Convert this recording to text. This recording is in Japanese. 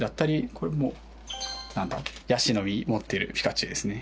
これもヤシの実持ってるピカチュウですね。